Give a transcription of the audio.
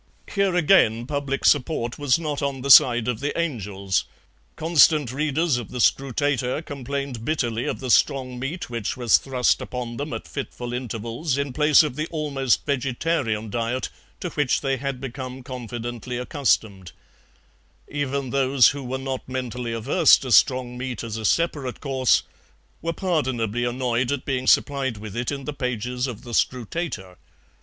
Here again public support was not on the side of the angels; constant readers of the SCRUTATOR complained bitterly of the strong meat which was thrust upon them at fitful intervals in place of the almost vegetarian diet to which they had become confidently accustomed; even those who were not mentally averse to strong meat as a separate course were pardonably annoyed at being supplied with it in the pages of the SCRUTATOR.